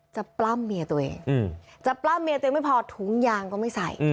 ปล้ำเมียตัวเองจะปล้ำเมียตัวเองไม่พอถุงยางก็ไม่ใส่